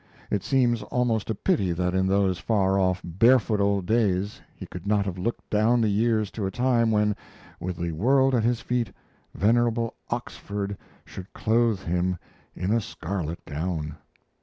It seems almost a pity that in those far off barefoot old days he could not have looked down the years to a time when, with the world at his feet, venerable Oxford should clothe him in a scarlet gown.